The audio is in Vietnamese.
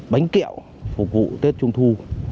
bánh kẹo phục vụ tiết trung thu